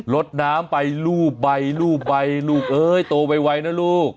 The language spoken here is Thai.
ลดน้ำไปลูบใบลูบใบลูกเอ้ยโตไวนะลูก